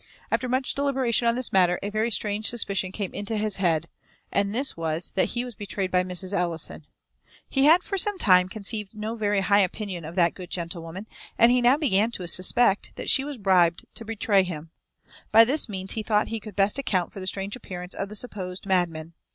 After much deliberation on this matter a very strange suspicion came into his head; and this was, that he was betrayed by Mrs. Ellison. He had, for some time, conceived no very high opinion of that good gentlewoman, and he now began to suspect that she was bribed to betray him. By this means he thought he could best account for the strange appearance of the supposed madman.